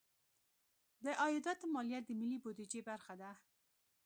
د عایداتو مالیه د ملي بودیجې برخه ده.